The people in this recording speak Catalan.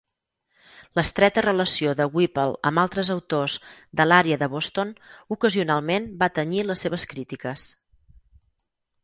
L'estreta relació de Whipple amb altres autors de l'àrea de Boston ocasionalment va tenyir les seves crítiques.